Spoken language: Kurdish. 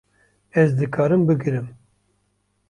Ez dikarim bigirim